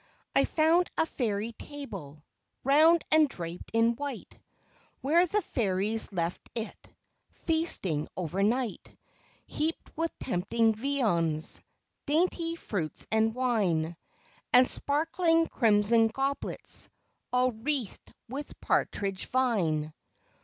I found a fairy table, Round, and draped in white, Where the fairies left it Feasting over night : Heaped with tempting viands, Dainty fruits and wine, And sparkling crimson goblets, All wreathed with partridge vine."